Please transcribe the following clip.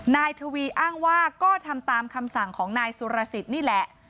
นายทวีอ้างว่าก็ทำตามคำสั่งของนายสุรสิทธิ์นี่แหละ